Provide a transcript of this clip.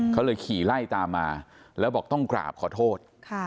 เขาเลยขี่ไล่ตามมาแล้วบอกต้องกราบขอโทษ